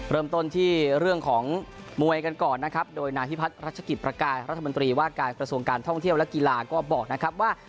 เริ่มต้นที่เรื่องของมวยกันก่อนนะครับโดยนายพิพัฒน์รัชกิจประกายรัฐมนตรีว่าการกระทรวงการท่องเที่ยวและกีฬาก็บอกนะครับว่า